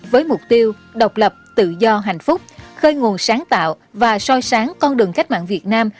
với mục tiêu độc lập tự do hạnh phúc khơi nguồn sáng tạo và soi sáng con đường cách mạng việt nam